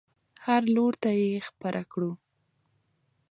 هر لور ته یې خپره کړو.